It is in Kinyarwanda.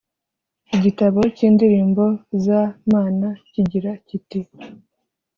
igitabo cy’indirimbo z mana kigira kiti